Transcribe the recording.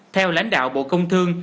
theo lãnh đạo bộ công thương